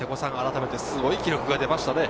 すごい記録が出ましたね。